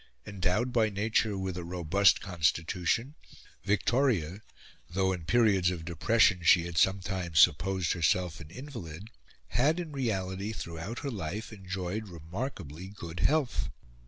Endowed by nature with a robust constitution, Victoria, though in periods of depression she had sometimes supposed herself an invalid, had in reality throughout her life enjoyed remarkably good health.